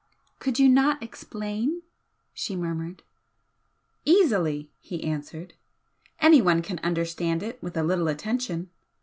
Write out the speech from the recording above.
"Could you not explain?" she murmured. "Easily!" he answered "Anyone can understand it with a little attention.